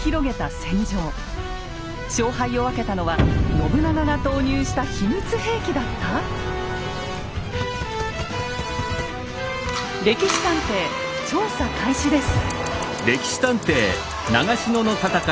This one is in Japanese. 勝敗を分けたのは信長が投入した秘密兵器だった⁉「歴史探偵」調査開始です！